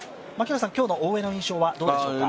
今日の大江の印象はどうでしょうか。